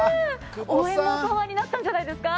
応援も糧になったんじゃないですか？